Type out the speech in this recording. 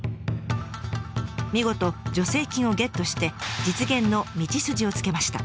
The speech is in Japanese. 見事助成金をゲットして実現の道筋をつけました。